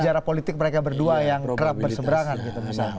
sejarah politik mereka berdua yang kerap berseberangan gitu misalnya